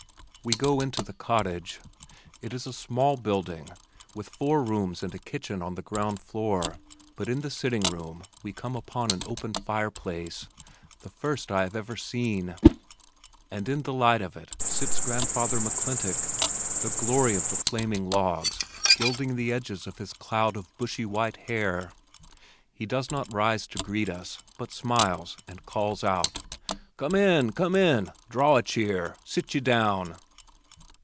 We go into the cottage. It is a small building with four rooms and a kitchen on the ground floor, but in the sitting room we come upon an open fireplace, the first I had ever seen, and in the light of it sits Grandfather McClintock, the glory of the flaming logs gilding the edges of his cloud of bushy white hair. He does not rise to greet us, but smiles and calls out, "Come in! Come in! Draw a cheer. Sit ye down."